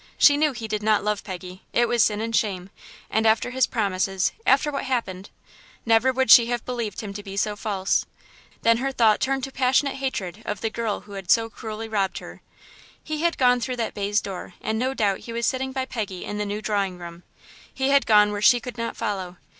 She knew he did not love Peggy. It was sin and shame; and after his promises after what had happened. Never would she have believed him to be so false. Then her thought turned to passionate hatred of the girl who had so cruelly robbed her. He had gone through that baize door, and no doubt he was sitting by Peggy in the new drawing room. He had gone where she could not follow.